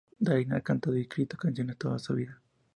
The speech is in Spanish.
Darin ha cantado y escrito canciones toda su vida.